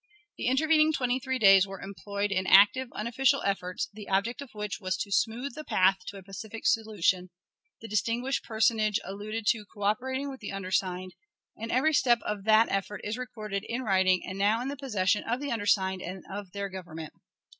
The intervening twenty three days were employed in active unofficial efforts, the object of which was to smooth the path to a pacific solution, the distinguished personage alluded to coöperating with the undersigned; and every step of that effort is recorded in writing and now in the possession of the undersigned and of their Government.